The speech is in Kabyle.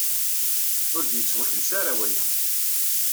Ur d-yettwakles ara waya.